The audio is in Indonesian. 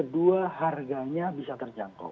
barangnya bisa terjangkau